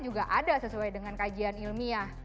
juga ada sesuai dengan kajian ilmiah